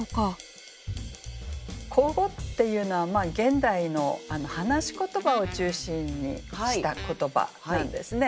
口語っていうのは現代の話し言葉を中心にした言葉なんですね。